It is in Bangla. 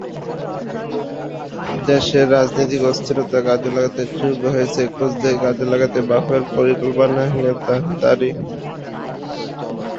দেশের রাজনৈতিক অস্থিরতার সঙ্গে যোগ হয়েছে কোচদের কাজে লাগাতে বাফুফের পরিকল্পনাহীনতা।